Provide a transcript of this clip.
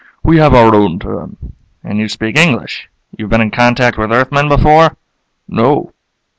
We have our own term." "And you speak English? You've been in contact with Earthmen before?" "No."